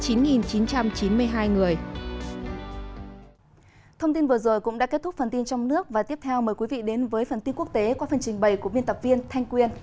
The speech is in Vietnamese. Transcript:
thông tin vừa rồi cũng đã kết thúc phần tin trong nước và tiếp theo mời quý vị đến với phần tin quốc tế qua phần trình bày của biên tập viên thanh quyên